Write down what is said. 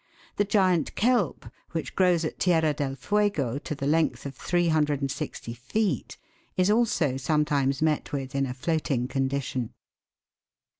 The Giant Kelp, which grows at Tierra del Fuego to the length of 360 feet, is also sometimes met with in a floating condition.